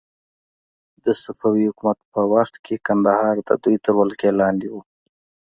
د صفوي حکومت په وخت کې کندهار د دوی تر ولکې لاندې و.